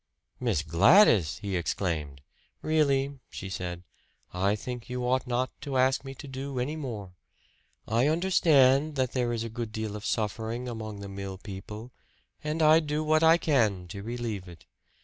"Miss Gladys!" he exclaimed. "Really," she said, "I think you ought not to ask me to do any more. I understand that there is a good deal of suffering among the mill people, and I do what I can to relieve it.